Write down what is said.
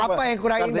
apa yang kurang indah